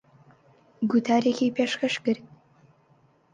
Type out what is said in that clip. گوتارێکی پێشکەش کرد.